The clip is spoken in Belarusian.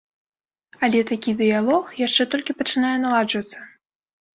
Але такі дыялог яшчэ толькі пачынае наладжвацца.